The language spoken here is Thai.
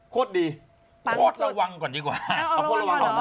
โคตรดีโคตรระวังก่อนดีกว่า